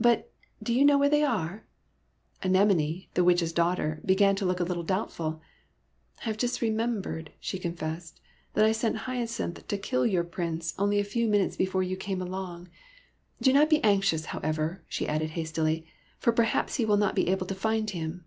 But do you know where they are ?" Anemone, the Witch's daughter, began to look a little doubtful. " I have just remem bered,'' she confessed, " that I sent Hyacinth to kill your Prince, only a few minutes before you came along. Do not be anxious, however," she added hastily, '' for perhaps he will not be able to find him."